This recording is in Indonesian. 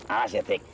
awas ya dik